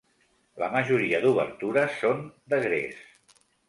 La majoria d'obertures són de gres.